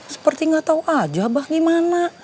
seperti ga tau aja abah gimana